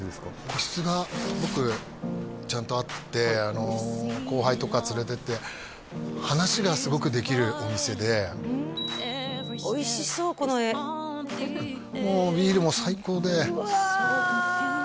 個室がちゃんとあって後輩とか連れてって話がすごくできるお店でおいしそうこの画もうビールも最高でうわ